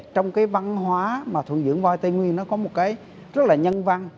trong văn hóa thuần dưỡng voi tây nguyên có một cái rất là nhân văn